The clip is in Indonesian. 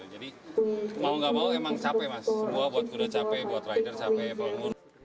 jadi mau nggak mau emang capek mas semua buat kuda capek buat rider capek pengurus